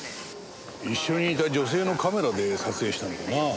一緒にいた女性のカメラで撮影したのかな？